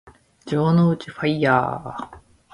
城之内ファイアー